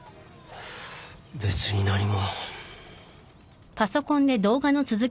別に何も。